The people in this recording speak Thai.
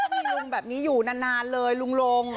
มีลุงแบบนี้อยู่นานเลยลุงลง